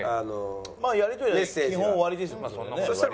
まあやり取りは基本終わりですよそれでね。